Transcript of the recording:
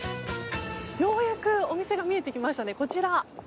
ようやくお店が見えてきました。